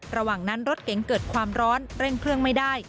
ระหว่างนั้นรถเก๋งเกิดความร้อนเร่งเครื่องไม่ได้